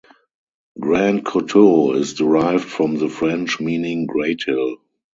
Grand Coteau is derived from the French meaning great hill.